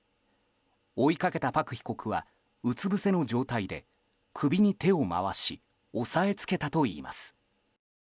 追いかけたパク被告はうつぶせの状態で首に手を回し押さえつけたといいます。